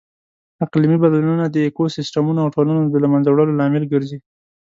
اقلیمي بدلونونه د ایکوسیسټمونو او ټولنو د لهمنځه وړلو لامل ګرځي.